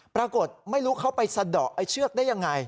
ปรากฏไม่รู้เขาไปสะดอกไอ้เชือกได้ยังไง